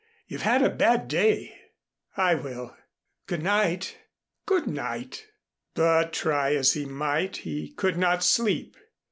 You've had a bad day." "I will. Good night." "Good night." But try as he might, he could not sleep.